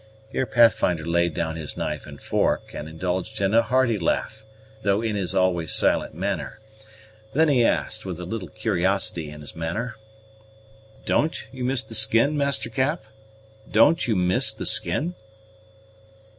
Here Pathfinder laid down his knife and fork, and indulged in a hearty laugh, though in his always silent manner; then he asked, with a little curiosity in his manner, "Don't, you miss the skin, Master Cap? don't you miss the skin?"